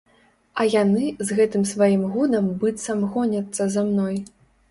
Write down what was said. А яны з гэтым сваім гудам быццам гоняцца за мной.